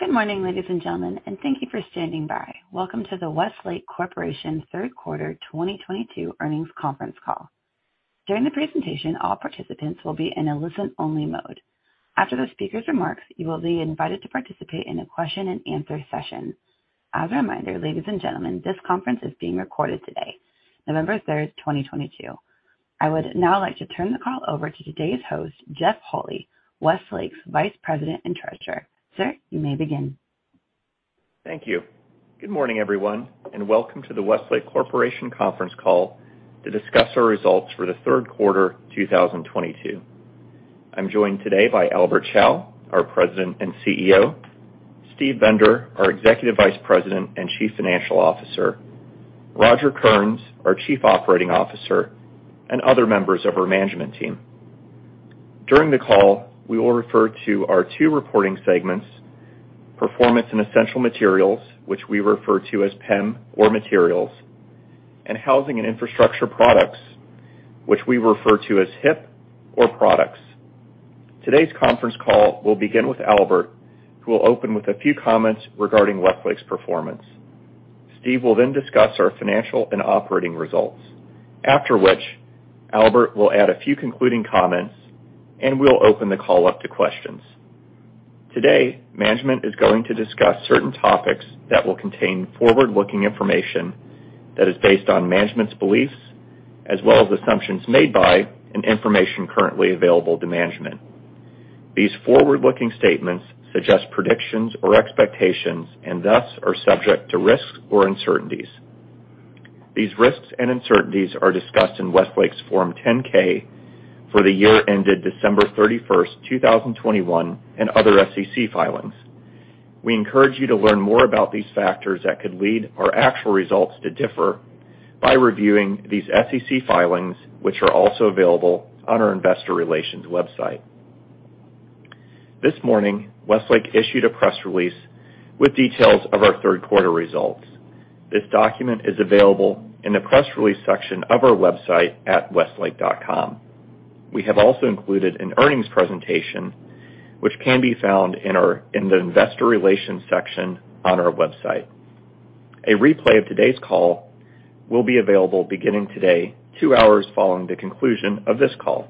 Good morning, ladies and gentlemen, and thank you for standing by. Welcome to the Westlake Corporation third quarter 2022 earnings conference call. During the presentation, all participants will be in a listen-only mode. After the speaker's remarks, you will be invited to participate in a question-and-answer session. As a reminder, ladies and gentlemen, this conference is being recorded today, November 3rd, 2022. I would now like to turn the call over to today's host, Jeff Holy, Westlake's Vice President and Treasurer. Sir, you may begin. Thank you. Good morning, everyone, and welcome to the Westlake Corporation conference call to discuss our results for the third quarter 2022. I'm joined today by Albert Chao, our President and CEO, Steve Bender, our Executive Vice President and Chief Financial Officer, Roger Kearns, our Chief Operating Officer, and other members of our management team. During the call, we will refer to our two reporting segments, Performance and Essential Materials, which we refer to as PEM or Materials, and Housing and Infrastructure Products, which we refer to as HIP or Products. Today's conference call will begin with Albert, who will open with a few comments regarding Westlake's performance. Steve will then discuss our financial and operating results, after which Albert will add a few concluding comments, and we'll open the call up to questions. Today, management is going to discuss certain topics that will contain forward-looking information that is based on management's beliefs as well as assumptions made by and information currently available to management. These forward-looking statements suggest predictions or expectations and, thus, are subject to risks or uncertainties. These risks and uncertainties are discussed in Westlake's Form 10-K for the year ended December 31st, 2021, and other SEC filings. We encourage you to learn more about these factors that could lead our actual results to differ by reviewing these SEC filings, which are also available on our investor relations website. This morning, Westlake issued a press release with details of our third quarter results. This document is available in the press release section of our website at westlake.com. We have also included an earnings presentation which can be found in the investor relations section on our website. A replay of today's call will be available beginning today, two hours following the conclusion of this call.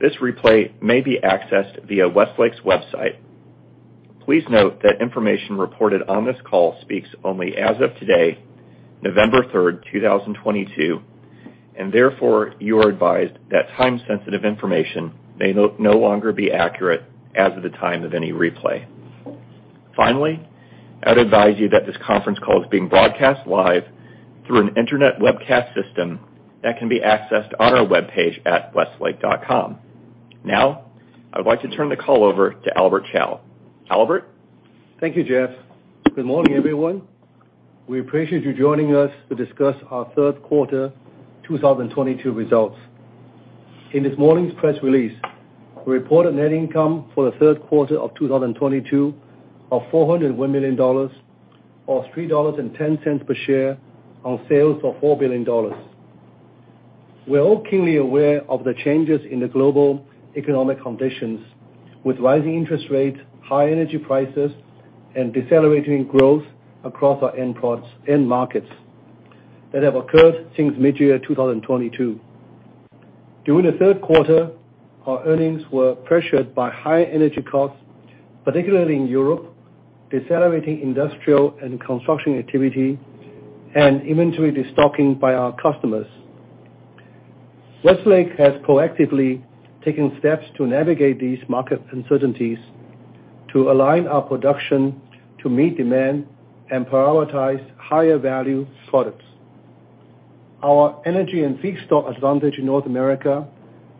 This replay may be accessed via Westlake's website. Please note that information reported on this call speaks only as of today, November 3rd, 2022, and therefore you are advised that time-sensitive information may no longer be accurate as of the time of any replay. Finally, I'd advise you that this conference call is being broadcast live through an internet webcast system that can be accessed on our webpage at westlake.com. Now, I'd like to turn the call over to Albert Chao. Albert? Thank you, Jeff. Good morning, everyone. We appreciate you joining us to discuss our third quarter 2022 results. In this morning's press release, we reported net income for the third quarter of 2022 of $401 million, or $3.10 per share on sales of $4 billion. We're all keenly aware of the changes in the global economic conditions with rising interest rates, high energy prices, and decelerating growth across our end markets that have occurred since mid-year 2022. During the third quarter, our earnings were pressured by high energy costs, particularly in Europe, decelerating industrial and construction activity, and inventory de-stocking by our customers. Westlake has proactively taken steps to navigate these market uncertainties to align our production to meet demand and prioritize higher value products. Our energy and feedstock advantage in North America,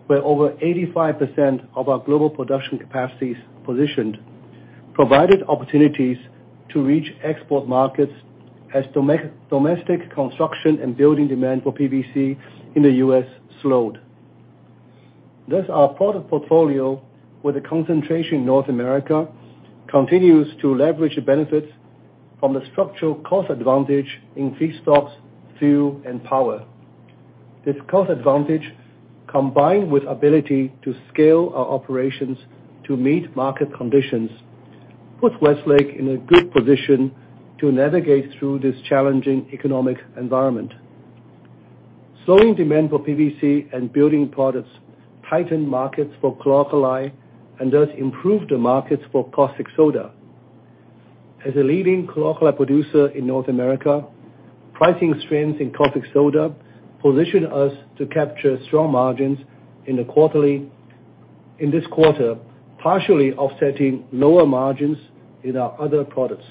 where over 85% of our global production capacity is positioned, provided opportunities to reach export markets as domestic construction and building demand for PVC in the U.S. slowed. Thus, our product portfolio with a concentration in North America continues to leverage the benefits from the structural cost advantage in feedstocks, fuel, and power. This cost advantage, combined with ability to scale our operations to meet market conditions, puts Westlake in a good position to navigate through this challenging economic environment. Slowing demand for PVC and building products tightened markets for chlor-alkali and thus improved the markets for caustic soda. As a leading chlor-alkali producer in North America, pricing strength in caustic soda positioned us to capture strong margins in this quarter, partially offsetting lower margins in our other products.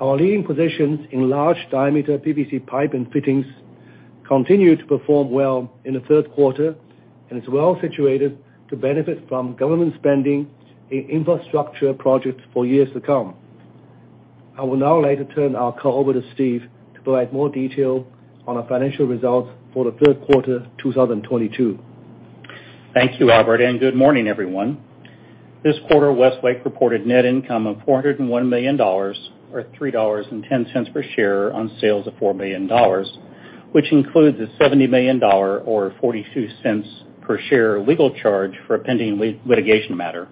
Our leading positions in large diameter PVC pipe and fittings continued to perform well in the third quarter and is well-situated to benefit from government spending in infrastructure projects for years to come. I would now like to turn our call over to Steve to provide more detail on our financial results for the third quarter 2022. Thank you, Albert, and good morning, everyone. This quarter, Westlake reported net income of $401 million, or $3.10 per share on sales of $4 billion. Which includes a $70 million or $0.42 per share legal charge for a pending litigation matter.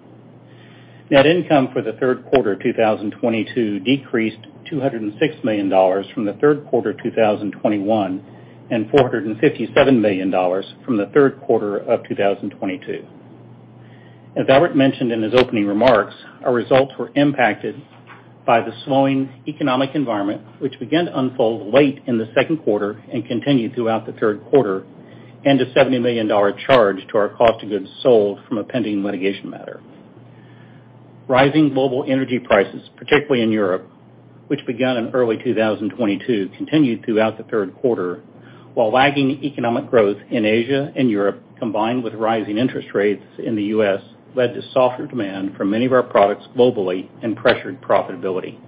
Net income for the third quarter of 2022 decreased $206 million from the third quarter of 2021, and $457 million from the third quarter of 2022. As Albert mentioned in his opening remarks, our results were impacted by the slowing economic environment, which began to unfold late in the second quarter and continued throughout the third quarter, and a $70 million charge to our cost of goods sold from a pending litigation matter. Rising global energy prices, particularly in Europe, which began in early 2022, continued throughout the third quarter, while lagging economic growth in Asia and Europe, combined with rising interest rates in the U.S., led to softer demand for many of our products globally and pressured profitability.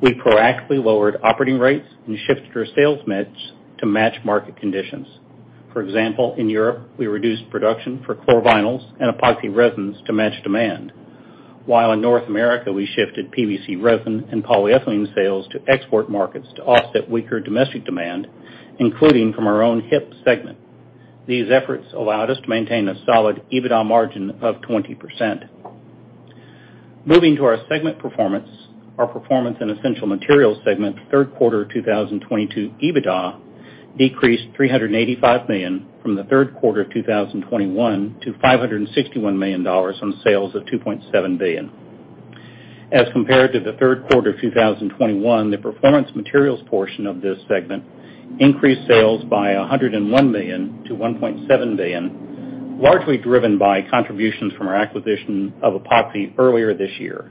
We proactively lowered operating rates and shifted our sales mix to match market conditions. For example, in Europe, we reduced production for chlorovinyls and epoxy resins to match demand. While in North America, we shifted PVC resin and polyethylene sales to export markets to offset weaker domestic demand, including from our own HIP segment. These efforts allowed us to maintain a solid EBITDA margin of 20%. Moving to our segment performance. Our Performance and Essential Materials segment, third quarter 2022 EBITDA decreased $385 million from the third quarter of 2021 to $561 million on sales of $2.7 billion. As compared to the third quarter of 2021, the performance materials portion of this segment increased sales by $101 million to $1.7 billion, largely driven by contributions from our acquisition of Epoxy earlier this year.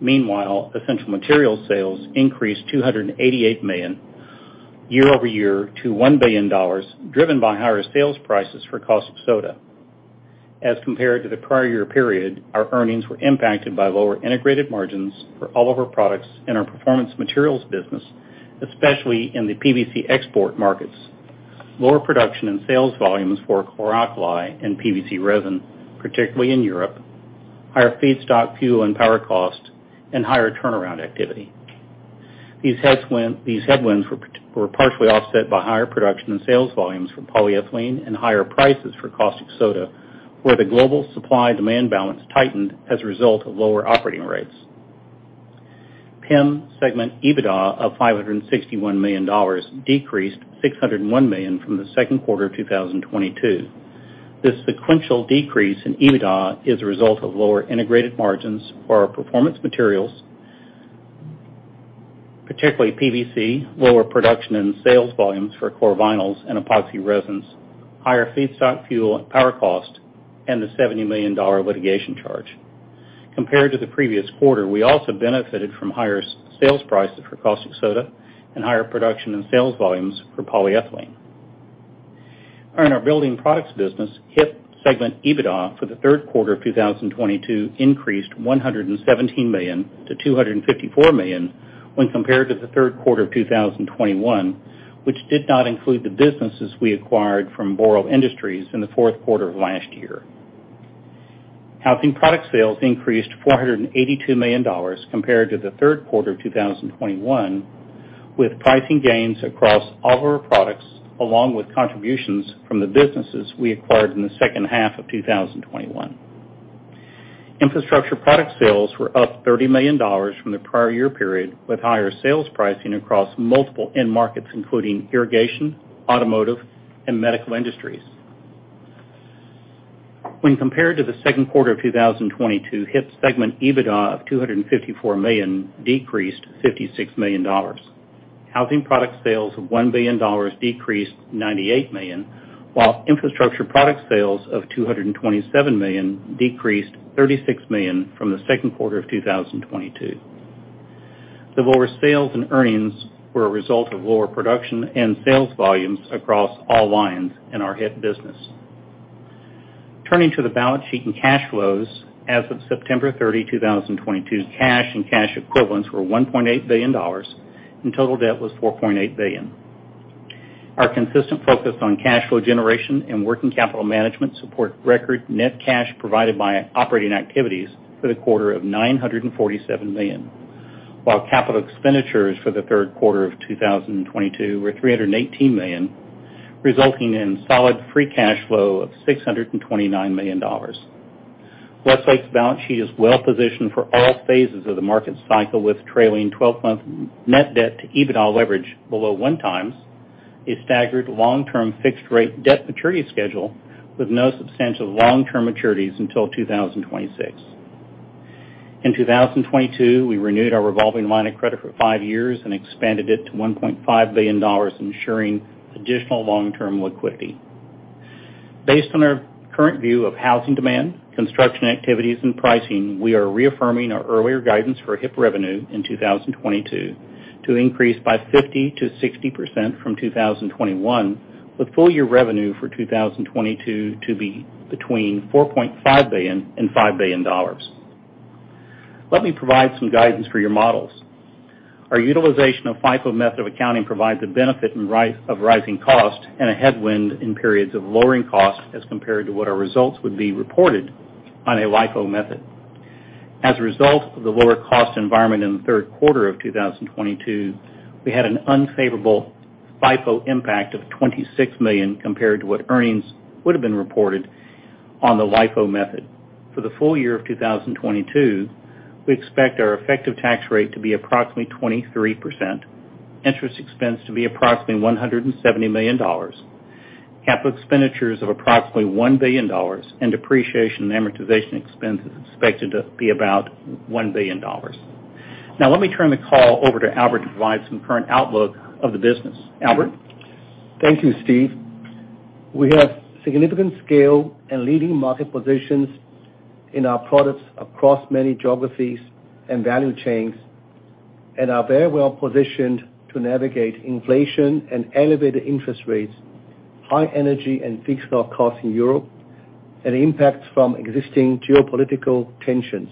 Meanwhile, essential materials sales increased $288 million year-over-year to $1 billion, driven by higher sales prices for caustic soda. As compared to the prior year period, our earnings were impacted by lower integrated margins for all of our products in our performance materials business, especially in the PVC export markets. Lower production and sales volumes for chlor-alkali and PVC resin, particularly in Europe, higher feedstock, fuel and power cost, and higher turnaround activity. These headwinds were partially offset by higher production and sales volumes for polyethylene and higher prices for caustic soda, where the global supply-demand balance tightened as a result of lower operating rates. PEM segment EBITDA of $561 million decreased $601 million from the second quarter of 2022. This sequential decrease in EBITDA is a result of lower integrated margins for our performance materials, particularly PVC, lower production and sales volumes for chlorovinyls and epoxy resins, higher feedstock, fuel and power cost, and the $70 million litigation charge. Compared to the previous quarter, we also benefited from higher sales prices for caustic soda and higher production and sales volumes for polyethylene. In our building products business, HIP segment EBITDA for the third quarter of 2022 increased $117 million to $254 million when compared to the third quarter of 2021, which did not include the businesses we acquired from Boral Industries in the fourth quarter of last year. Housing product sales increased $482 million compared to the third quarter of 2021, with pricing gains across all of our products, along with contributions from the businesses we acquired in the second half of 2021. Infrastructure product sales were up $30 million from the prior year period, with higher sales pricing across multiple end markets, including irrigation, automotive, and medical industries. When compared to the second quarter of 2022, HIP segment EBITDA of $254 million decreased $56 million. Housing product sales of $1 billion decreased $98 million, while infrastructure product sales of $227 million decreased $36 million from the second quarter of 2022. The lower sales and earnings were a result of lower production and sales volumes across all lines in our HIP business. Turning to the balance sheet and cash flows, as of September 30, 2022, cash and cash equivalents were $1.8 billion, and total debt was $4.8 billion. Our consistent focus on cash flow generation and working capital management support record net cash provided by operating activities for the quarter of $947 million, while capital expenditures for the third quarter of 2022 were $318 million, resulting in solid free cash flow of $629 million. Westlake's balance sheet is well positioned for all phases of the market cycle with trailing 12-month net debt to EBITDA leverage below 1x, a staggered long-term fixed rate debt maturity schedule with no substantial long-term maturities until 2026. In 2022, we renewed our revolving line of credit for five years and expanded it to $1.5 billion, ensuring additional long-term liquidity. Based on our current view of housing demand, construction activities, and pricing, we are reaffirming our earlier guidance for HIP revenue in 2022 to increase by 50%-60% from 2021, with full year revenue for 2022 to be between $4.5 billion and $5 billion. Let me provide some guidance for your models. Our utilization of FIFO method of accounting provides a benefit in times of rising cost and a headwind in periods of lowering cost as compared to what our results would be reported on a LIFO method. As a result of the lower cost environment in the third quarter of 2022, we had an unfavorable FIFO impact of $26 million compared to what earnings would have been reported on the LIFO method. For the full year of 2022, we expect our effective tax rate to be approximately 23%, interest expense to be approximately $170 million, capital expenditures of approximately $1 billion, and depreciation and amortization expenses expected to be about $1 billion. Now, let me turn the call over to Albert to provide some current outlook of the business. Albert? Thank you, Steve. We have significant scale and leading market positions in our products across many geographies and value chains, and are very well positioned to navigate inflation and elevated interest rates, high energy and feedstock costs in Europe, and impacts from existing geopolitical tensions.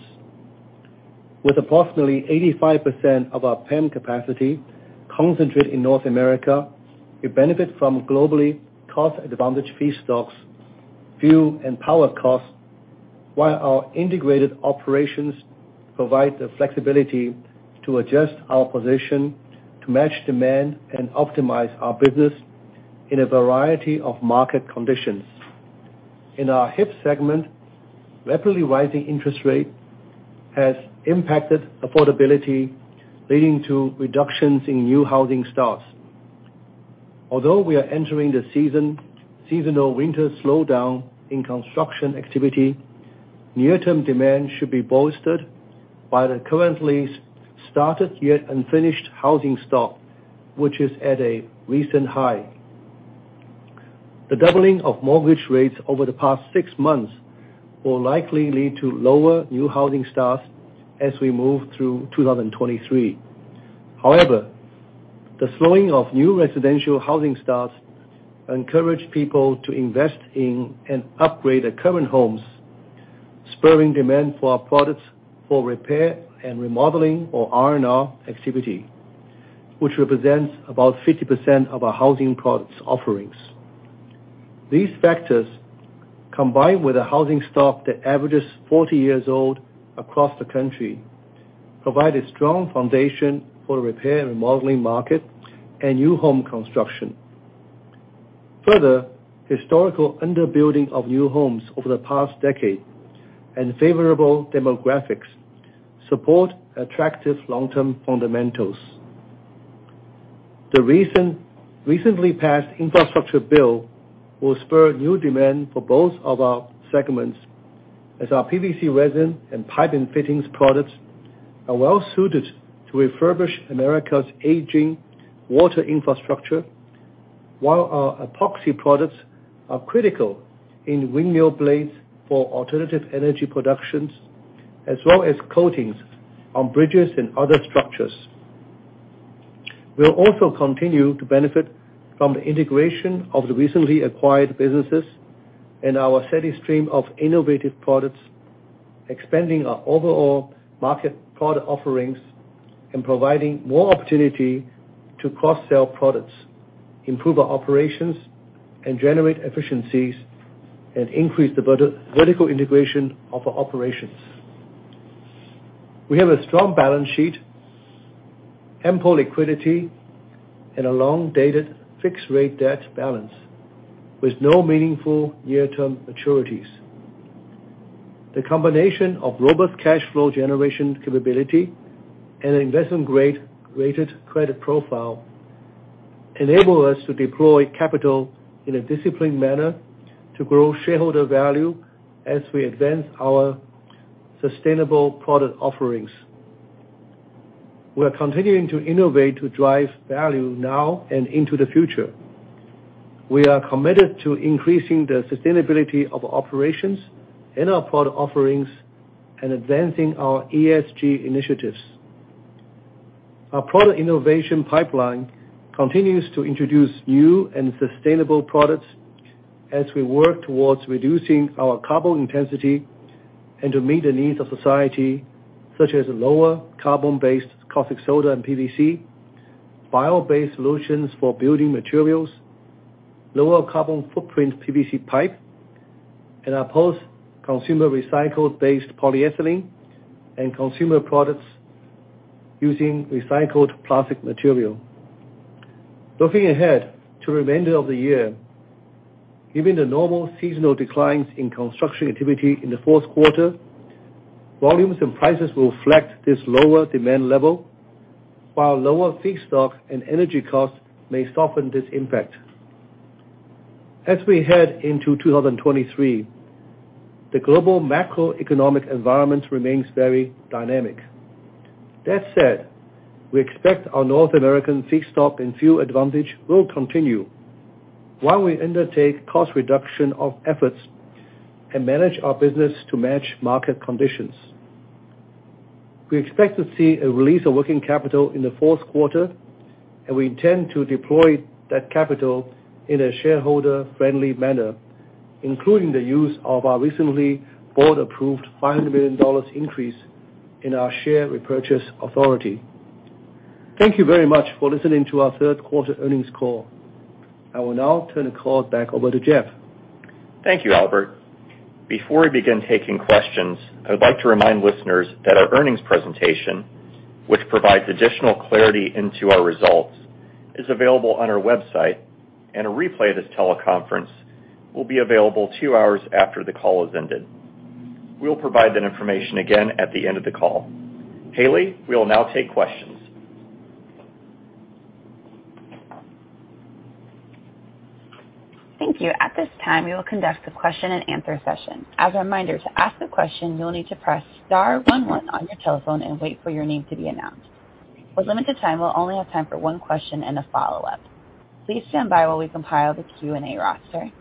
With approximately 85% of our PEM capacity concentrated in North America, we benefit from globally cost-advantaged feedstocks, fuel, and power costs, while our integrated operations provide the flexibility to adjust our position to match demand and optimize our business in a variety of market conditions. In our HIP segment, rapidly rising interest rate has impacted affordability, leading to reductions in new housing starts. Although we are entering the seasonal winter slowdown in construction activity, near-term demand should be bolstered by the currently started yet unfinished housing stock, which is at a recent high. The doubling of mortgage rates over the past six months will likely lead to lower new housing starts as we move through 2023. However, the slowing of new residential housing starts encourage people to invest in and upgrade their current homes, spurring demand for our products for repair and remodeling, or R&R activity, which represents about 50% of our housing products offerings. These factors, combined with a housing stock that averages 40 years old across the country, provide a strong foundation for repair and remodeling market and new home construction. Further, historical underbuilding of new homes over the past decade and favorable demographics support attractive long-term fundamentals. Recently passed infrastructure bill will spur new demand for both of our segments, as our PVC resin and pipe and fittings products are well suited to refurbish America's aging water infrastructure, while our epoxy products are critical in windmill blades for alternative energy productions, as well as coatings on bridges and other structures. We'll also continue to benefit from the integration of the recently acquired businesses and our steady stream of innovative products, expanding our overall market product offerings, and providing more opportunity to cross-sell products, improve our operations, and generate efficiencies, and increase the vertical integration of our operations. We have a strong balance sheet, ample liquidity, and a long-dated fixed rate debt balance with no meaningful near-term maturities. The combination of robust cash flow generation capability and an investment-grade rated credit profile enable us to deploy capital in a disciplined manner to grow shareholder value as we advance our sustainable product offerings. We are continuing to innovate to drive value now and into the future. We are committed to increasing the sustainability of operations in our product offerings and advancing our ESG initiatives. Our product innovation pipeline continues to introduce new and sustainable products as we work towards reducing our carbon intensity and to meet the needs of society, such as lower carbon-based caustic soda and PVC, bio-based solutions for building materials, lower carbon footprint PVC pipe, and our post-consumer recycled-based polyethylene and consumer products using recycled plastic material. Looking ahead to the remainder of the year, given the normal seasonal declines in construction activity in the fourth quarter, volumes and prices will reflect this lower demand level, while lower feedstock and energy costs may soften this impact. As we head into 2023, the global macroeconomic environment remains very dynamic. That said, we expect our North American feedstock and fuel advantage will continue while we undertake cost reduction of efforts and manage our business to match market conditions. We expect to see a release of working capital in the fourth quarter, and we intend to deploy that capital in a shareholder-friendly manner, including the use of our recently board-approved $500 million increase in our share repurchase authority. Thank you very much for listening to our third quarter earnings call. I will now turn the call back over to Jeff. Thank you, Albert. Before we begin taking questions, I would like to remind listeners that our earnings presentation, which provides additional clarity into our results, is available on our website, and a replay of this teleconference will be available two hours after the call has ended. We'll provide that information again at the end of the call. Haley, we'll now take questions. Thank you. At this time, we will conduct a question and answer session. As a reminder, to ask a question, you'll need to press star one one on your telephone and wait for your name to be announced. With limited time, we'll only have time for one question and a follow-up. Please stand by while we compile the Q&A roster.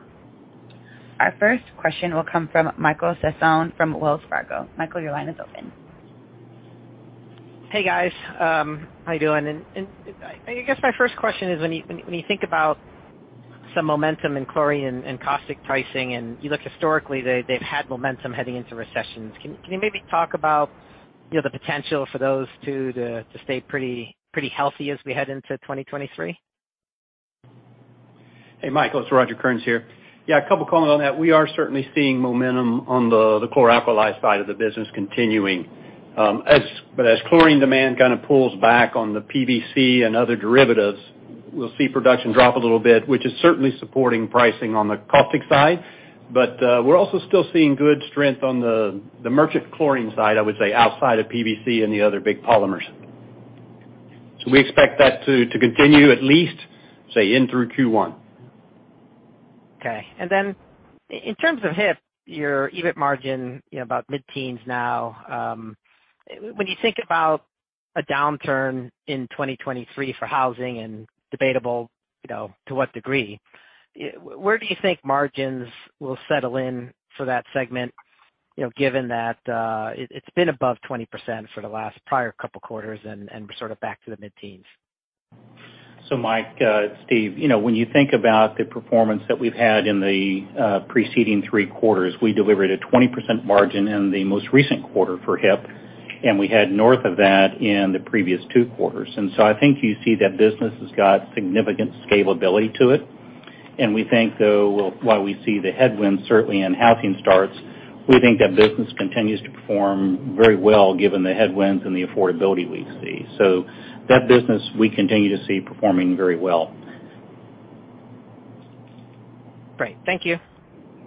Our first question will come from Michael Sison from Wells Fargo. Michael, your line is open. Hey, guys. How you doing? I guess my first question is when you think about some momentum in chlorine and caustic pricing, and you look historically, they've had momentum heading into recessions. Can you maybe talk about, you know, the potential for those two to stay pretty healthy as we head into 2023? Hey, Michael, it's Roger Kearns here. Yeah, a couple comments on that. We are certainly seeing momentum on the chlor-alkali side of the business continuing. As chlorine demand kind of pulls back on the PVC and other derivatives, we'll see production drop a little bit, which is certainly supporting pricing on the caustic side. We're also still seeing good strength on the merchant chlorine side, I would say, outside of PVC and the other big polymers. We expect that to continue at least, say, in through Q1. In terms of HIP, your EBIT margin, you know, about mid-teens now, when you think about a downturn in 2023 for housing and debatable, you know, to what degree, where do you think margins will settle in for that segment, you know, given that, it's been above 20% for the last prior couple quarters and we're sort of back to the mid-teens? Mike, it's Steve. You know, when you think about the performance that we've had in the preceding three quarters, we delivered a 20% margin in the most recent quarter for HIP, and we had north of that in the previous two quarters. I think you see that business has got significant scalability to it. We think, though, while we see the headwinds certainly in housing starts, we think that business continues to perform very well given the headwinds and the affordability we see. That business, we continue to see performing very well. Great. Thank you.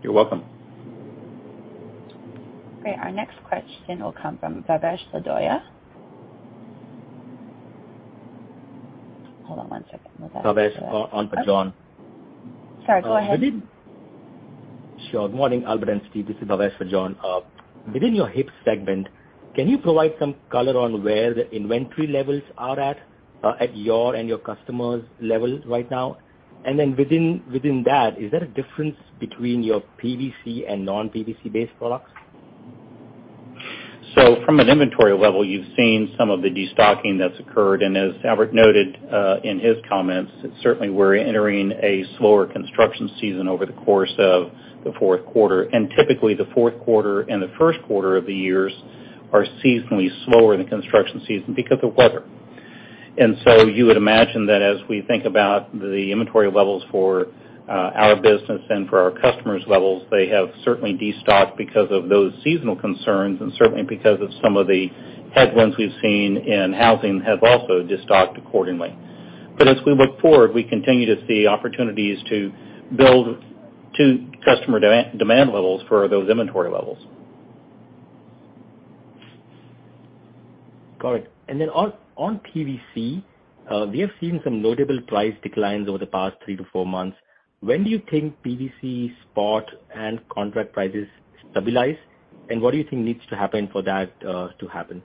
You're welcome. Okay, our next question will come from Bhavesh Lodaya. Hold on one second. Bhavesh on for John. Sorry, go ahead. Sure. Good morning, Albert and Steve. This is Bhavesh for John. Within your HIP segment, can you provide some color on where the inventory levels are at your and your customers' levels right now? Within that, is there a difference between your PVC and non-PVC based products? From an inventory level, you've seen some of the destocking that's occurred. As Albert noted, in his comments, certainly we're entering a slower construction season over the course of the fourth quarter. Typically, the fourth quarter and the first quarter of the years are seasonally slower in the construction season because of weather. You would imagine that as we think about the inventory levels for our business and for our customers' levels, they have certainly destocked because of those seasonal concerns, and certainly because of some of the headwinds we've seen, and housing has also destocked accordingly. As we look forward, we continue to see opportunities to build to customer demand levels for those inventory levels. Got it. On PVC, we have seen some notable price declines over the past three to four months. When do you think PVC spot and contract prices stabilize, and what do you think needs to happen for that to happen?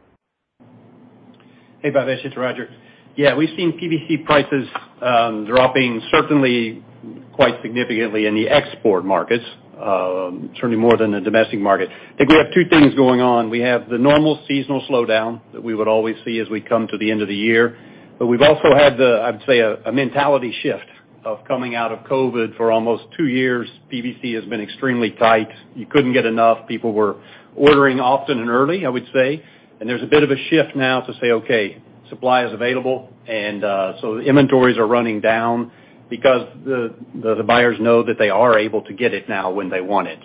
Hey, Bhavesh. It's Roger. Yeah, we've seen PVC prices dropping certainly quite significantly in the export markets, certainly more than the domestic market. I think we have two things going on. We have the normal seasonal slowdown that we would always see as we come to the end of the year. We've also had the, I'd say a mentality shift of coming out of COVID for almost two years, PVC has been extremely tight. You couldn't get enough. People were ordering often and early, I would say. There's a bit of a shift now to say, okay, supply is available, and so the inventories are running down because the buyers know that they are able to get it now when they want it.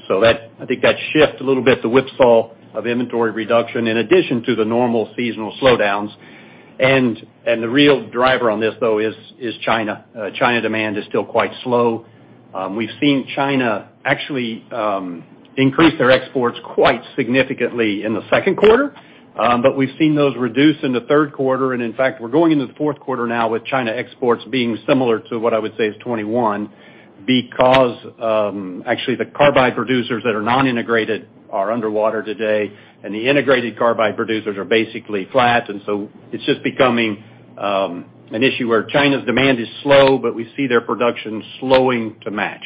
I think that shift a little bit, the whipsaw of inventory reduction in addition to the normal seasonal slowdowns. The real driver on this, though, is China. China demand is still quite slow. We've seen China actually increase their exports quite significantly in the second quarter, but we've seen those reduce in the third quarter. In fact, we're going into the fourth quarter now with China exports being similar to what I would say is 2021 because actually, the carbide producers that are non-integrated are underwater today, and the integrated carbide producers are basically flat. It's just becoming an issue where China's demand is slow, but we see their production slowing to match.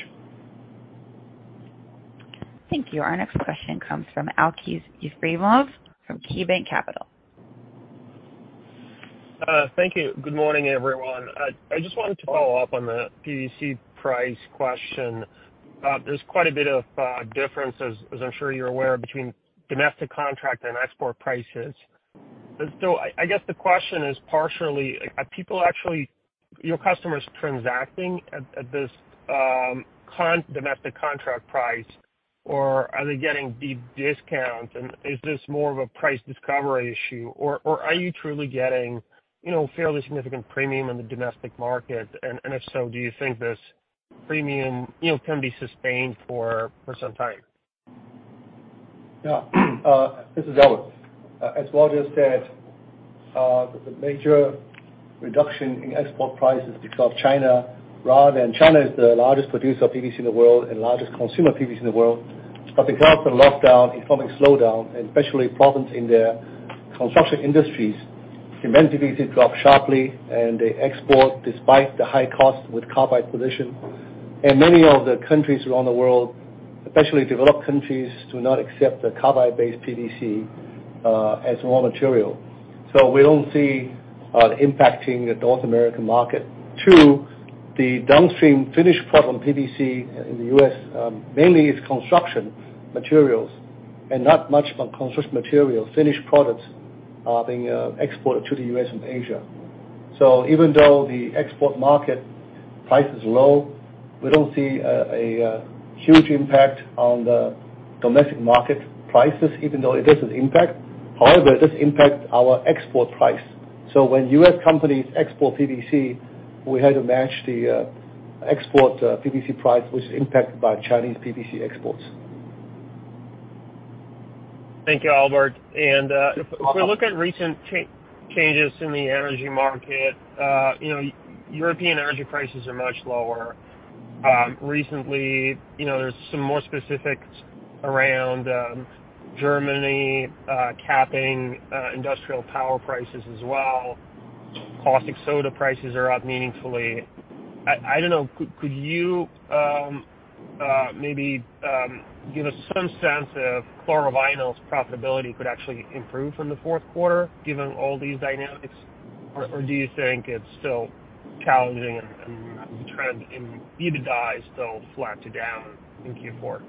Thank you. Our next question comes from Aleksey Yefremov from KeyBanc Capital. Thank you. Good morning. Morning, everyone. I just wanted to follow up on the PVC price question. There's quite a bit of difference, as I'm sure you're aware, between domestic contract and export prices. I guess the question is partially, are people actually your customers transacting at this domestic contract price or are they getting deep discounts and is this more of a price discovery issue or are you truly getting you know, a fairly significant premium in the domestic market? If so, do you think this premium you know, can be sustained for some time? This is Albert. As Roger said, the major reduction in export price is because of China. China is the largest producer of PVC in the world and largest consumer of PVC in the world. Because of the lockdown, economic slowdown, and especially problems in their construction industries, PVC demand dropped sharply, and they export despite the high cost with carbide position. Many of the countries around the world, especially developed countries, do not accept the carbide-based PVC as raw material. We don't see it impacting the North American market. Two, the downstream finished product PVC in the U.S. mainly is construction materials, and not much construction materials finished products are being exported to the U.S. from Asia. Even though the export market price is low, we don't see a huge impact on the domestic market prices, even though it does impact. However, it does impact our export price. When U.S. companies export PVC, we had to match the export PVC price, which is impacted by Chinese PVC exports. Thank you, Albert. Yeah. If we look at recent changes in the energy market, you know, European energy prices are much lower. Recently, you know, there's some more specifics around Germany capping industrial power prices as well. Caustic soda prices are up meaningfully. I don't know, could you maybe give us some sense of chlorovinyl's profitability could actually improve from the fourth quarter given all these dynamics? Or do you think it's still challenging and the trend in EBITDA is still flat to down in Q4?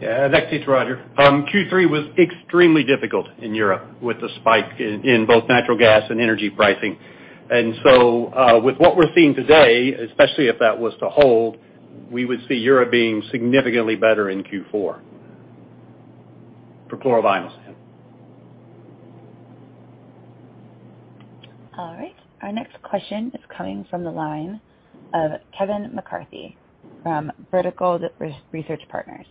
Yeah, next is Roger. Q3 was extremely difficult in Europe with the spike in both natural gas and energy pricing. With what we're seeing today, especially if that was to hold, we would see Europe being significantly better in Q4 for chlorovinyls. All right. Our next question is coming from the line of Kevin McCarthy from Vertical Research Partners.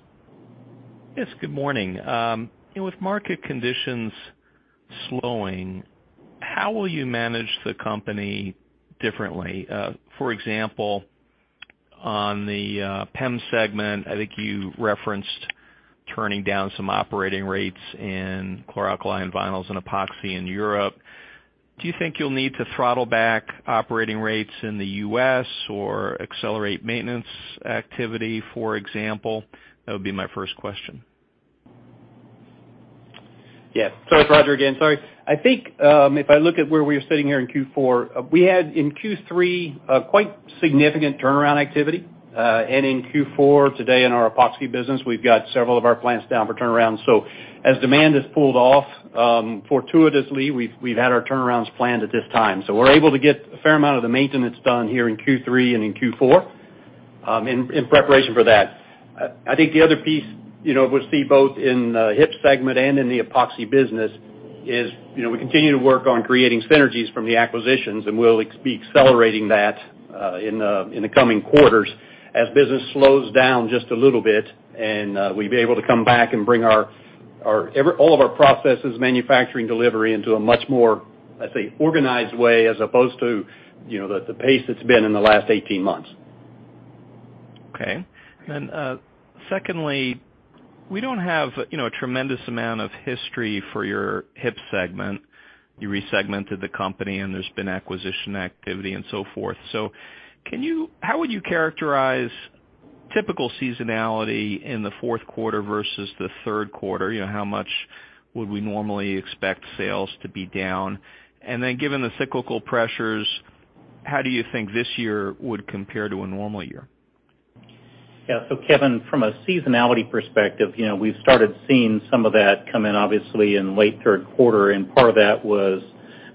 Yes, good morning. With market conditions slowing, how will you manage the company differently? For example, on the PEM segment, I think you referenced turning down some operating rates in chlor-alkali and vinyls and Epoxy in Europe. Do you think you'll need to throttle back operating rates in the U.S. or accelerate maintenance activity, for example? That would be my first question. Yeah. It's Roger again. Sorry. I think, if I look at where we are sitting here in Q4, we had, in Q3, a quite significant turnaround activity. In Q4 today in our epoxy business, we've got several of our plants down for turnaround. As demand has pulled off, fortuitously, we've had our turnarounds planned at this time. We're able to get a fair amount of the maintenance done here in Q3 and in Q4, in preparation for that. I think the other piece, you know, we'll see both in the HIP segment and in the Epoxy business is, you know, we continue to work on creating synergies from the acquisitions, and we'll be accelerating that, in the coming quarters as business slows down just a little bit, and we'll be able to come back and bring our all of our processes, manufacturing, delivery into a much more, let's say, organized way, as opposed to, you know, the pace that's been in the last 18 months. Okay. Secondly, we don't have, you know, a tremendous amount of history for your HIP segment. You resegmented the company, and there's been acquisition activity and so forth. How would you characterize typical seasonality in the fourth quarter versus the third quarter? You know, how much would we normally expect sales to be down? Given the cyclical pressures, how do you think this year would compare to a normal year? Yeah. Kevin, from a seasonality perspective, you know, we've started seeing some of that come in obviously in late third quarter, and part of that was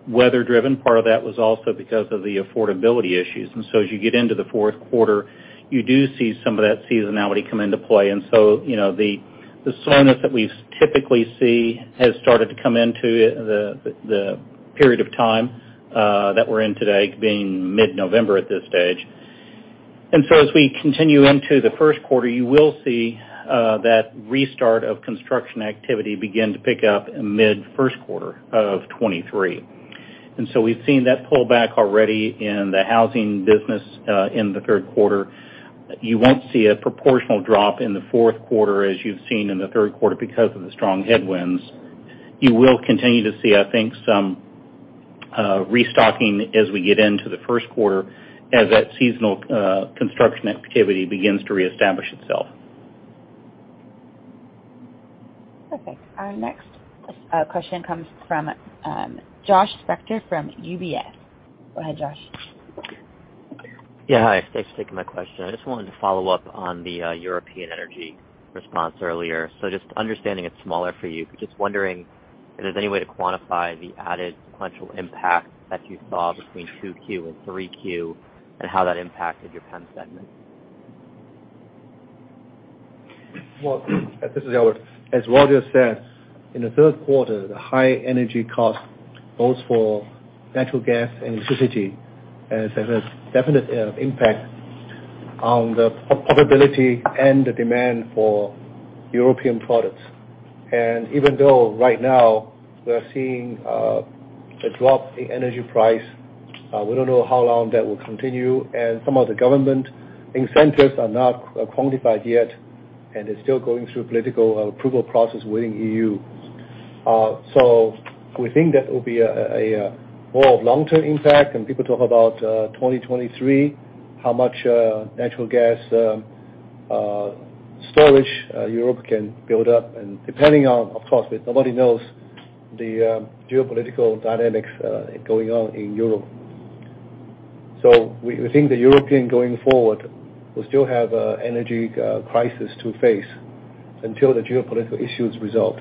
weather-driven, part of that was also because of the affordability issues. As you get into the fourth quarter, you do see some of that seasonality come into play. You know, the slowness that we typically see has started to come into the period of time that we're in today, being mid-November at this stage. As we continue into the first quarter, you will see that restart of construction activity begin to pick up in mid first quarter of 2023. We've seen that pull back already in the housing business in the third quarter. You won't see a proportional drop in the fourth quarter as you've seen in the third quarter because of the strong headwinds. You will continue to see, I think, some restocking as we get into the first quarter as that seasonal construction activity begins to reestablish itself. Perfect. Our next question comes from Josh Spector from UBS. Go ahead, Josh. Yeah, hi. Thanks for taking my question. I just wanted to follow up on the European energy response earlier. Just understanding it's smaller for you, but just wondering if there's any way to quantify the added sequential impact that you saw between 2Q and 3Q, and how that impacted your PEM segment. Well, this is Albert. As Roger said, in the third quarter, the high energy cost, both for natural gas and electricity, has had a definite impact on the profitability and the demand for European products. Even though right now we are seeing a drop in energy price, we don't know how long that will continue, and some of the government incentives are not quantified yet, and it's still going through political approval process within E.U. We think that will be a more long-term impact. People talk about 2023, how much natural gas storage Europe can build up, and depending on, of course, but nobody knows the geopolitical dynamics going on in Europe. We think that Europe going forward will still have an energy crisis to face until the geopolitical issues resolve.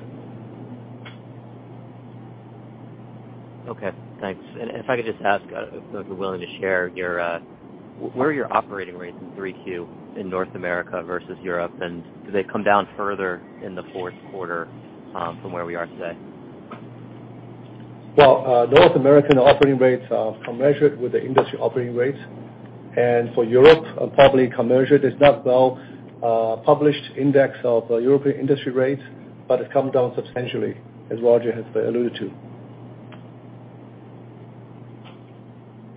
Okay, thanks. If I could just ask, if you're willing to share your what are your operating rates in 3Q in North America versus Europe, and do they come down further in the fourth quarter, from where we are today? Well, North American operating rates are measured with the industry operating rates. For Europe, probably commercial. There's not well published index of European industry rates, but it's come down substantially, as Roger has alluded to.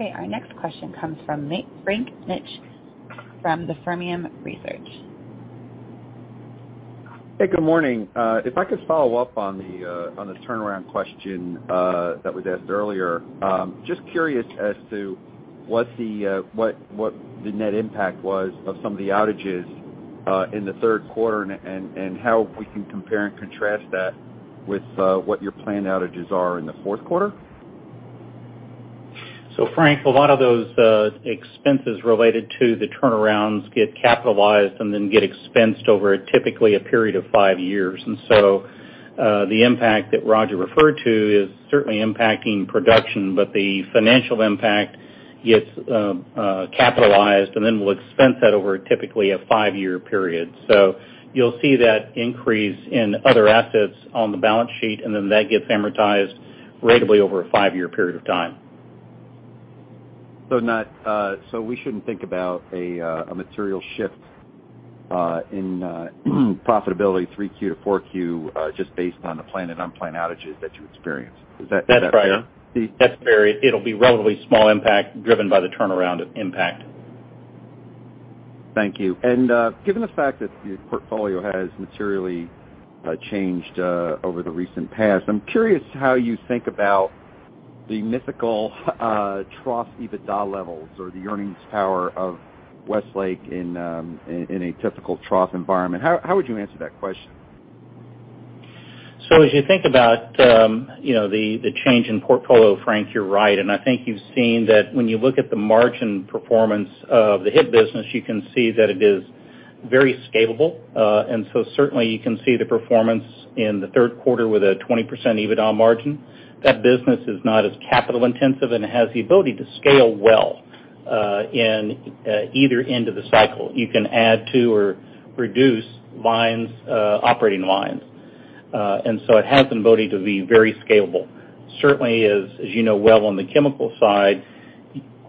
Okay. Our next question comes from Frank Mitsch from Fermium Research. Hey, good morning. If I could follow up on the turnaround question that was asked earlier. Just curious as to what the net impact was of some of the outages in the third quarter and how we can compare and contrast that with what your planned outages are in the fourth quarter. Frank, a lot of those expenses related to the turnarounds get capitalized and then get expensed over typically a period of five years. The impact that Roger referred to is certainly impacting production, but the financial impact gets capitalized, and then we'll expense that over typically a five-year period. You'll see that increase in other assets on the balance sheet, and then that gets amortized ratably over a five-year period of time. We shouldn't think about a material shift in profitability 3Q to 4Q just based on the planned and unplanned outages that you experienced. Is that fair? That's right. It'll be relatively small impact driven by the turnaround impact. Thank you. Given the fact that your portfolio has materially changed over the recent past, I'm curious how you think about the minimal trough EBITDA levels or the earnings power of Westlake in a typical trough environment. How would you answer that question? As you think about, you know, the change in portfolio, Frank, you're right. I think you've seen that when you look at the margin performance of the HIP business, you can see that it is very scalable. Certainly you can see the performance in the third quarter with a 20% EBITDA margin. That business is not as capital intensive, and it has the ability to scale well, in either end of the cycle. You can add to or reduce lines, operating lines. It has the ability to be very scalable. Certainly is, as you know well on the chemical side,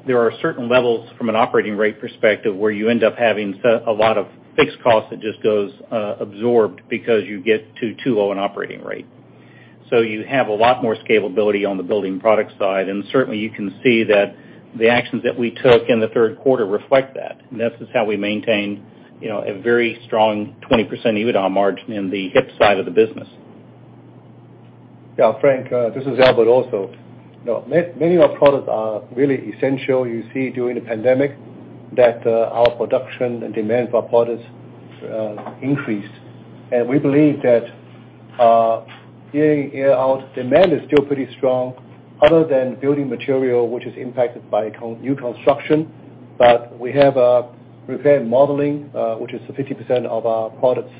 there are certain levels from an operating rate perspective where you end up having a lot of fixed costs that just get absorbed because you get to too low an operating rate. You have a lot more scalability on the building product side. Certainly you can see that the actions that we took in the third quarter reflect that. That's just how we maintain, you know, a very strong 20% EBITDA margin in the HIP side of the business. Yeah, Frank, this is Albert also. Now, many of our products are really essential. You see during the pandemic that our production and demand for our products increased. We believe that year in, year out, demand is still pretty strong other than building material, which is impacted by new construction. We have a repair and remodeling, which is the 50% of our products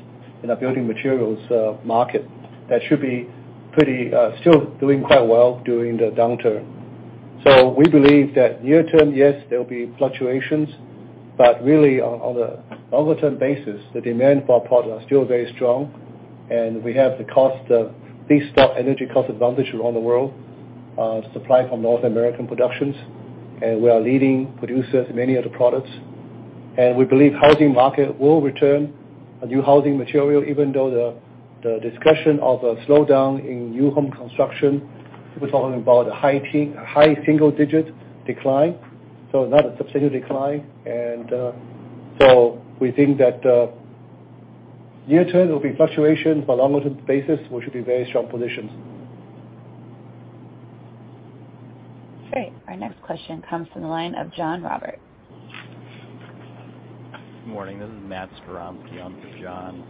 in the building materials market, that should be pretty still doing quite well during the downturn. We believe that near term, yes, there will be fluctuations, but really on a longer term basis, the demand for our products are still very strong. We have the cost advantages, these low energy cost advantage around the world, supply from North American productions. We are leading producers in many of the products. We believe housing market will return a new housing material, even though the discussion of a slowdown in new home construction. We're talking about a high single-digit decline, so not a substantial decline. We think that near-term, there will be fluctuation, but longer-term basis, we should be very strong positions. Great. Our next question comes from the line of John Roberts. Good morning. This is Matt Skowronski in for John.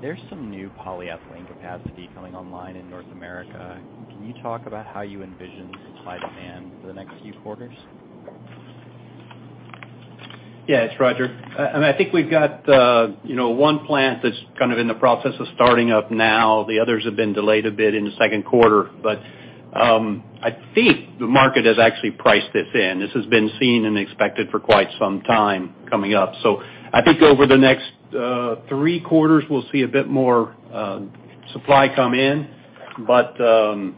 There's some new polyethylene capacity coming online in North America. Can you talk about how you envision supply demand for the next few quarters? Yeah. It's Roger. I think we've got, you know, one plant that's kind of in the process of starting up now. The others have been delayed a bit in the second quarter, but I think the market has actually priced this in. This has been seen and expected for quite some time coming up. I think over the next three quarters, we'll see a bit more supply come in. You know,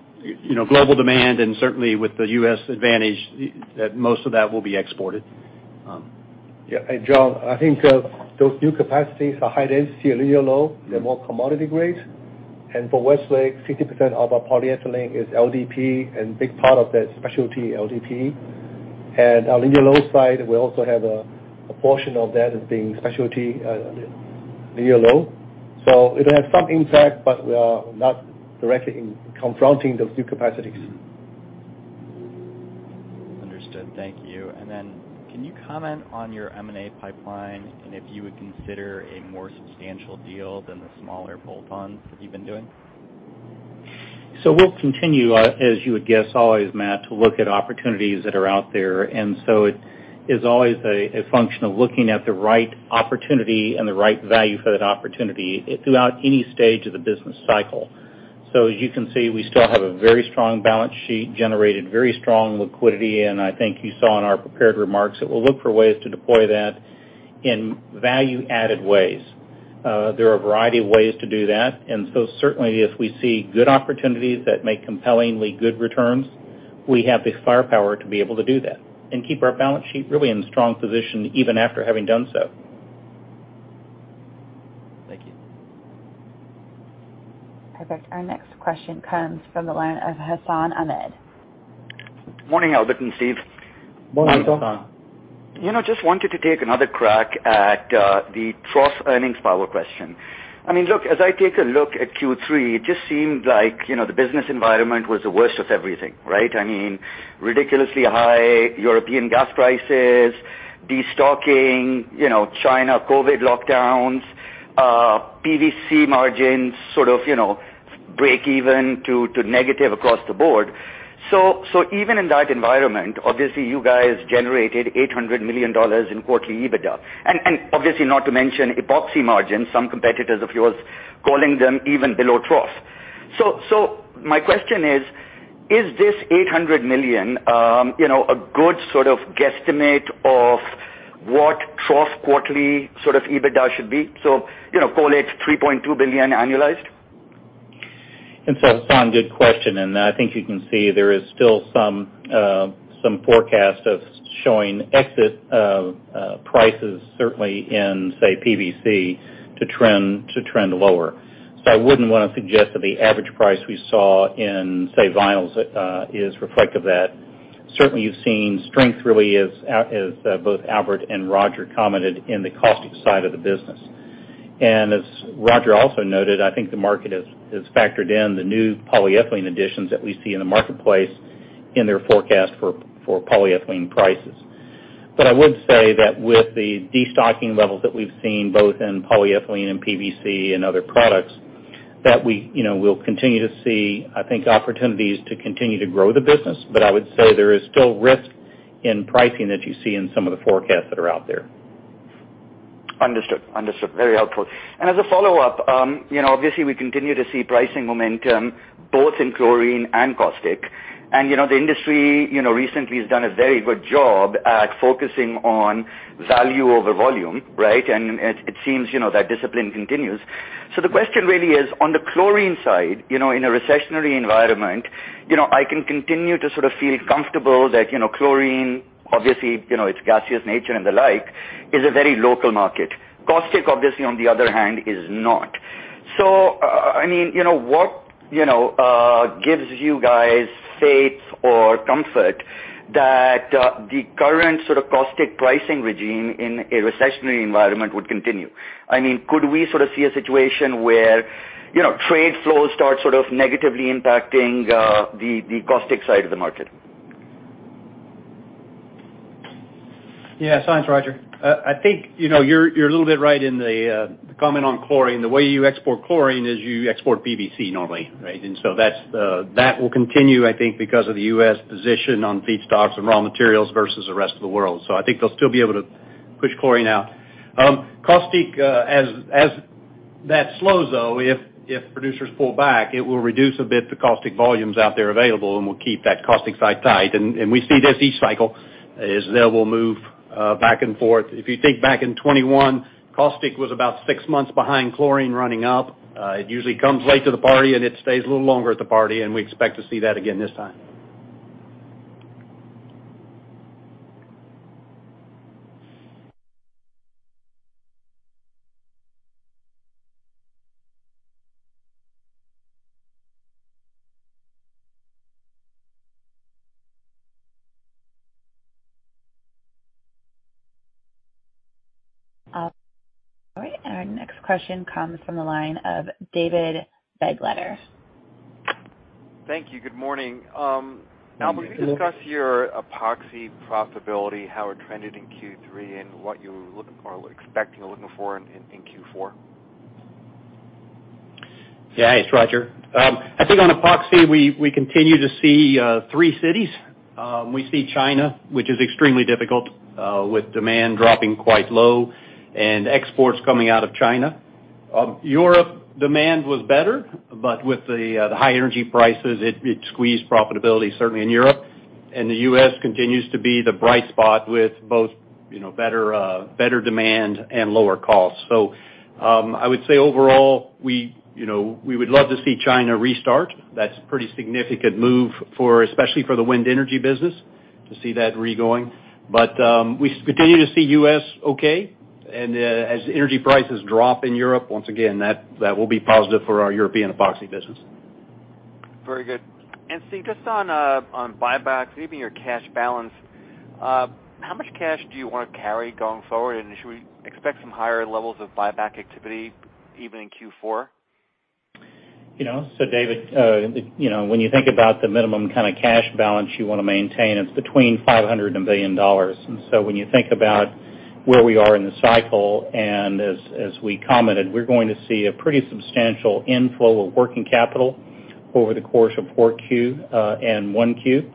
global demand and certainly with the U.S. advantage, most of that will be exported. Yeah. John, I think those new capacities are high-density polyethylene, linear low-density polyethylene. Yeah. They're more commodity grade. For Westlake, 50% of our polyethylene is LDPE and big part of that specialty LDPE. Our linear low-density, we also have a portion of that as being specialty linear low-density. It'll have some impact, but we are not directly confronting those new capacities. Understood. Thank you. Can you comment on your M&A pipeline and if you would consider a more substantial deal than the smaller bolt-ons that you've been doing? We'll continue, as you would guess, always, Matt, to look at opportunities that are out there. It is always a function of looking at the right opportunity and the right value for that opportunity throughout any stage of the business cycle. As you can see, we still have a very strong balance sheet, generated very strong liquidity, and I think you saw in our prepared remarks that we'll look for ways to deploy that in value added ways. There are a variety of ways to do that, and so certainly if we see good opportunities that make compellingly good returns, we have the firepower to be able to do that and keep our balance sheet really in strong position even after having done so. Thank you. Perfect. Our next question comes from the line of Hassan Ahmed. Morning, Albert and Steve. Morning, Hassan. You know, just wanted to take another crack at the trough earnings power question. I mean, look, as I take a look at Q3, it just seemed like, you know, the business environment was the worst of everything, right? I mean, ridiculously high European gas prices, destocking, you know, China COVID lockdowns, PVC margins sort of, you know, break even to negative across the board. Even in that environment, obviously you guys generated $800 million in quarterly EBITDA. Obviously not to mention epoxy margins, some competitors of yours calling them even below trough. My question is this $800 million, you know, a good sort of guesstimate of what trough quarterly sort of EBITDA should be? You know, call it $3.2 billion annualized. Hassan, good question. I think you can see there is still some forecasts showing exit prices certainly in, say, PVC to trend lower. I wouldn't wanna suggest that the average price we saw in, say, vinyls, is reflective of that. Certainly, you've seen strength really as both Albert and Roger commented in the caustic side of the business. As Roger also noted, I think the market has factored in the new polyethylene additions that we see in the marketplace in their forecast for polyethylene prices. I would say that with the destocking levels that we've seen both in polyethylene and PVC and other products, that we, you know, will continue to see, I think, opportunities to continue to grow the business. I would say there is still risk in pricing that you see in some of the forecasts that are out there. Understood. Very helpful. As a follow-up, you know, obviously we continue to see pricing momentum both in chlorine and caustic. You know, the industry, you know, recently has done a very good job at focusing on value over volume, right? It seems, you know, that discipline continues. The question really is on the chlorine side, you know, in a recessionary environment, you know, I can continue to sort of feel comfortable that, you know, chlorine, obviously, you know, its gaseous nature and the like, is a very local market. Caustic, obviously on the other hand, is not. I mean, you know, what, you know, gives you guys faith or comfort that, the current sort of caustic pricing regime in a recessionary environment would continue? I mean, could we sort of see a situation where, you know, trade flows start sort of negatively impacting the caustic side of the market? Yeah. It's Roger. I think, you know, you're a little bit right in the comment on chlorine. The way you export chlorine is you export PVC normally, right? That's that will continue I think because of the U.S. position on feedstocks and raw materials versus the rest of the world. I think they'll still be able to push chlorine out. Caustic as that slows, though, if producers pull back, it will reduce a bit the caustic volumes out there available, and we'll keep that caustic side tight. We see this each cycle, is they will move back and forth. If you think back in 2021, caustic was about six months behind chlorine running up. It usually comes late to the party, and it stays a little longer at the party, and we expect to see that again this time. All right, our next question comes from the line of David Begleiter. Thank you. Good morning. Now will you discuss your epoxy profitability, how it trended in Q3, and what you're looking for or expecting or looking for in Q4? Yeah. It's Roger. I think on Epoxy we continue to see three geographies. We see China, which is extremely difficult, with demand dropping quite low and exports coming out of China. Europe demand was better, but with the high energy prices, it squeezed profitability certainly in Europe. The U.S. continues to be the bright spot with both, you know, better demand and lower costs. I would say overall, we, you know, we would love to see China restart. That's pretty significant move for, especially for the wind energy business to see that ramping. We continue to see U.S. okay. As energy prices drop in Europe, once again that will be positive for our European Epoxy business. Very good. Steve, just on buybacks, even your cash balance, how much cash do you wanna carry going forward? Should we expect some higher levels of buyback activity even in Q4? You know, David, you know, when you think about the minimum kind of cash balance you wanna maintain, it's between $500 million and $1 billion. When you think about where we are in the cycle, and as we commented, we're going to see a pretty substantial inflow of working capital over the course of 4Q and 1Q.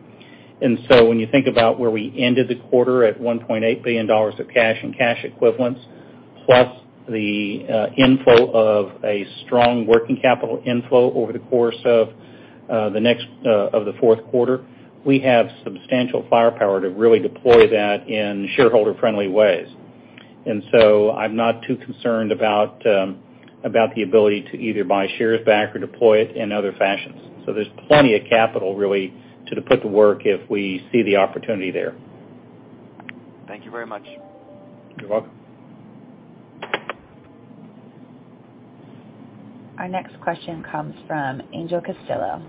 When you think about where we ended the quarter at $1.8 billion of cash and cash equivalents, plus the inflow of a strong working capital inflow over the course of the fourth quarter, we have substantial firepower to really deploy that in shareholder friendly ways. I'm not too concerned about the ability to either buy shares back or deploy it in other fashions. There's plenty of capital really to put to work if we see the opportunity there. Thank you very much. You're welcome. Our next question comes from Angel Castillo.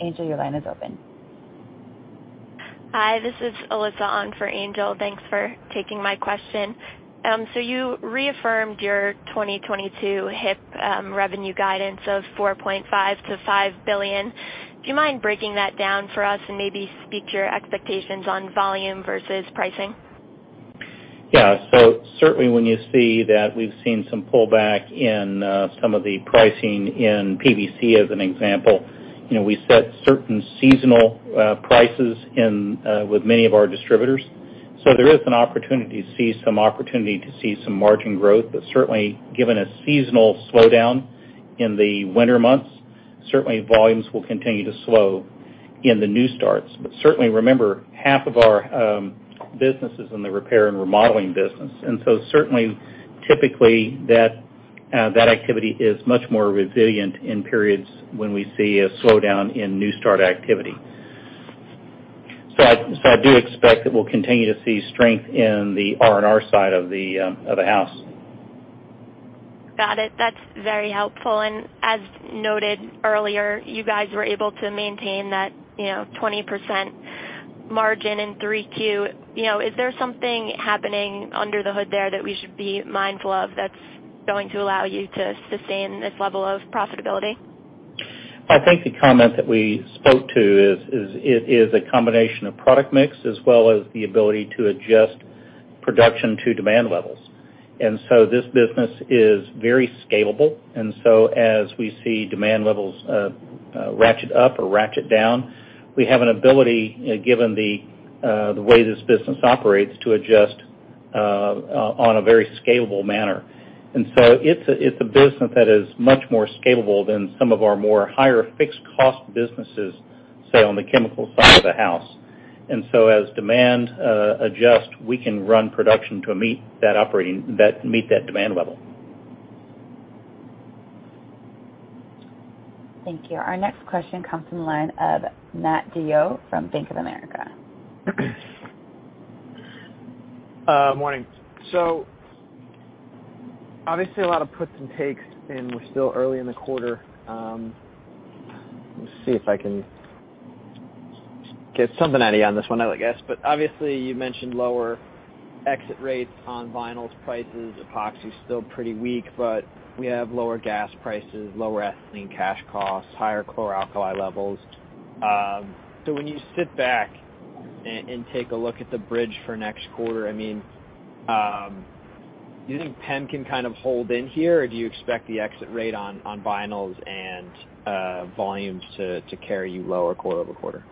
Angel, your line is open. Hi, this is Alyssa on for Angel. Thanks for taking my question. You reaffirmed your 2022 HIP revenue guidance of $4.5 billion-$5 billion. Do you mind breaking that down for us and maybe speak to your expectations on volume versus pricing? Yeah. Certainly when you see that we've seen some pullback in some of the pricing in PVC as an example, you know, we set certain seasonal prices in with many of our distributors. There is an opportunity to see some margin growth. Certainly given a seasonal slowdown in the winter months, volumes will continue to slow in the new starts. Certainly remember, half of our business is in the repair and remodeling business, and certainly typically that activity is much more resilient in periods when we see a slowdown in new start activity. I do expect that we'll continue to see strength in the R&R side of the house. Got it. That's very helpful. As noted earlier, you guys were able to maintain that, you know, 20% margin in 3Q. You know, is there something happening under the hood there that we should be mindful of that's going to allow you to sustain this level of profitability? I think the comment that we spoke to is a combination of product mix as well as the ability to adjust production to demand levels. This business is very scalable. As we see demand levels ratchet up or ratchet down, we have an ability, given the way this business operates, to adjust on a very scalable manner. It's a business that is much more scalable than some of our more higher fixed cost businesses, say on the chemical side of the house. As demand adjust, we can run production to meet that demand level. Thank you. Our next question comes from the line of Matt DeYoe from Bank of America. Morning. Obviously a lot of puts and takes, and we're still early in the quarter. Let me see if I can get something out of you on this one, I guess. Obviously you mentioned lower exit rates on vinyls prices. Epoxy is still pretty weak, but we have lower gas prices, lower ethylene cash costs, higher chlor-alkali levels. When you sit back and take a look at the bridge for next quarter, I mean, do you think PEM can kind of hold in here? Or do you expect the exit rate on vinyls and volumes to carry you lower quarter over quarter?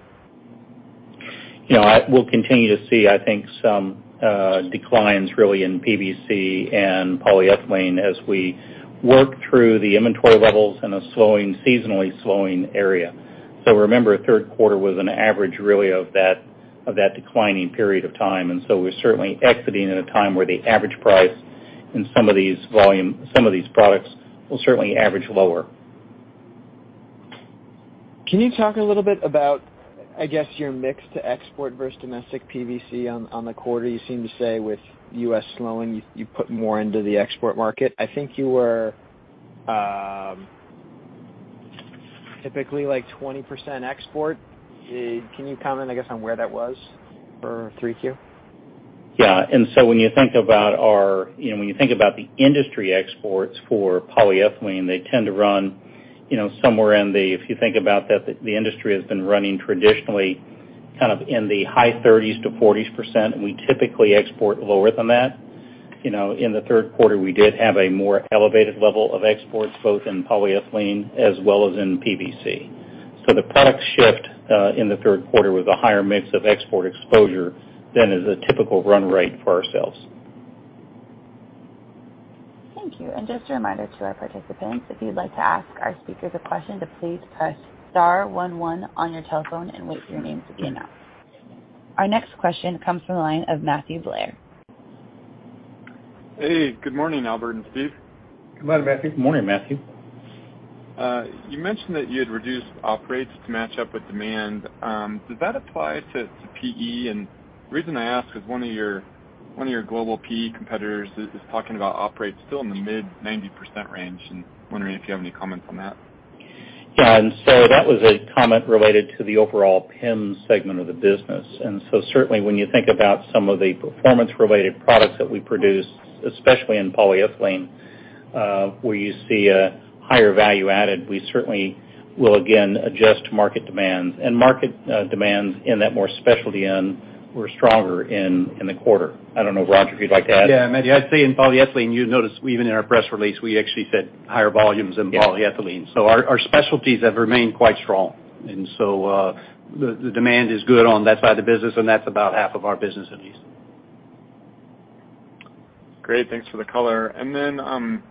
You know, we'll continue to see, I think, some declines really in PVC and polyethylene as we work through the inventory levels in a slowing, seasonally slowing area. Remember, third quarter was an average really of that declining period of time, and so we're certainly exiting at a time where the average price in some of these volume, some of these products will certainly average lower. Can you talk a little bit about, I guess, your mix to export versus domestic PVC on the quarter? You seem to say with U.S. slowing, you put more into the export market. I think you were typically like 20% export. Can you comment, I guess, on where that was for 3Q? Yeah. When you think about the industry exports for polyethylene, they tend to run, you know, somewhere in the high 30s%-40s%, and we typically export lower than that. You know, in the third quarter, we did have a more elevated level of exports, both in polyethylene as well as in PVC. The product shift in the third quarter was a higher mix of export exposure than is a typical run rate for ourselves. Thank you. Just a reminder to our participants, if you'd like to ask our speakers a question, to please press star one one on your telephone and wait for your name to be announced. Our next question comes from the line of Matthew Blair. Hey, good morning, Albert and Steve. Good morning, Matthew. Morning, Matthew. You mentioned that you had reduced operating rates to match up with demand. Does that apply to PE? The reason I ask is one of your global PE competitors is talking about operating rates still in the mid-90% range. Wondering if you have any comments on that. Yeah. That was a comment related to the overall PEM segment of the business. Certainly when you think about some of the performance related products that we produce, especially in polyethylene, where you see a higher value added, we certainly will again adjust market demands. Market demands in that more specialty end were stronger in the quarter. I don't know, Roger, if you'd like to add. Yeah, Matthew, I'd say in polyethylene, you notice even in our press release, we actually said higher volumes in polyethylene. Yeah. Our specialties have remained quite strong. The demand is good on that side of the business, and that's about half of our business at least. Great. Thanks for the color.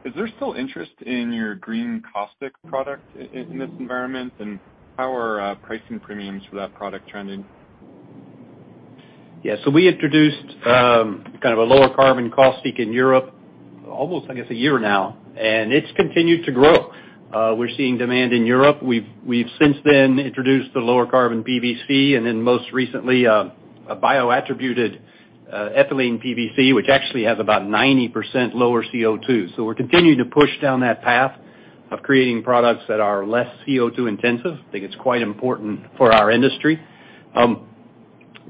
Is there still interest in your green caustic product in this environment, and how are pricing premiums for that product trending? Yeah. We introduced kind of a lower carbon caustic in Europe almost, I guess, a year now, and it's continued to grow. We're seeing demand in Europe. We've since then introduced the lower carbon PVC and then most recently a bio-attributed ethylene PVC, which actually has about 90% lower CO2. We're continuing to push down that path of creating products that are less CO2 intensive. I think it's quite important for our industry.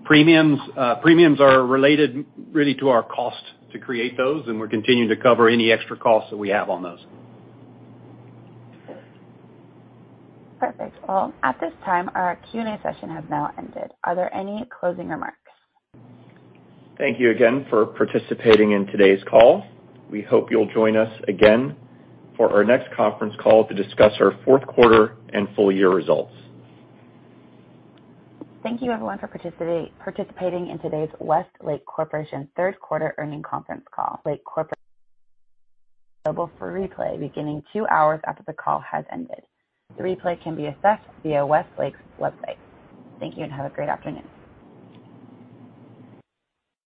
Premiums are related really to our cost to create those, and we're continuing to cover any extra costs that we have on those. Perfect. Well, at this time, our Q&A session has now ended. Are there any closing remarks? Thank you again for participating in today's call. We hope you'll join us again for our next conference call to discuss our fourth quarter and full year results. Thank you everyone for participating in today's Westlake Corporation third quarter earnings conference call. Westlake Corporation available for replay beginning two hours after the call has ended. The replay can be accessed via Westlake's website. Thank you, and have a great afternoon.